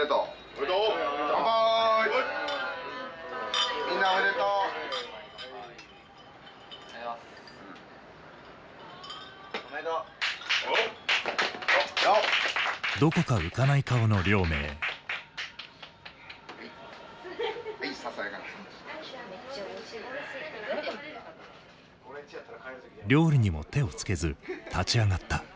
料理にも手をつけず立ち上がった。